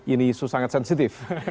ini isu sangat sensitif